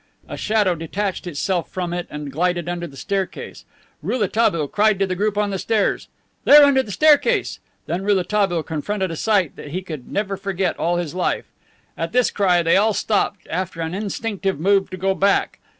A shadow detached itself from it and glided under the staircase. Rouletabille cried to the group on the stairs. "They are under the staircase!" Then Rouletabille confronted a sight that he could never forget all his life. At this cry, they all stopped, after an instinctive move to go back.